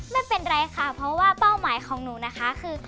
ไม่เป็นไรค่ะเพราะว่าเป้าหมายของหนูนะคะคือ